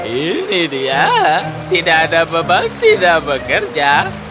ini dia tidak ada beban tidak bekerja